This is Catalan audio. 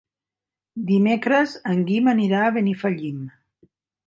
Dimecres en Guim anirà a Benifallim.